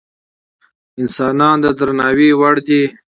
انسانان د درناوي وړ دي.